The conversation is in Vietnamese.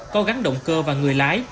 có gắn động cơ và người lái